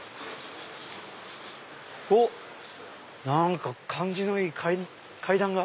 おっ何か感じのいい階段が。